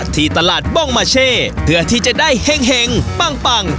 ที่ตลาดบองบาเช่เพื่อที่จะได้เห็งเห็งปังปัง